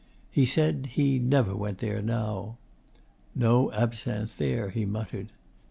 He said he never went there now. 'No absinthe there,' he muttered.